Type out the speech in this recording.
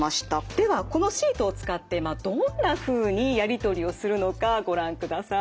ではこのシートを使ってどんなふうにやり取りをするのかご覧ください。